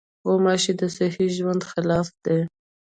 غوماشې د صحي ژوند خلاف دي.